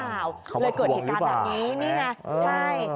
เข้ามาทวงหรือเปล่าเลยเกิดอิจการแบบนี้นี่ไงใช่